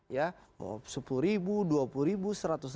ya mau sepuluh dua puluh seratus